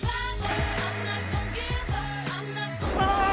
ああ！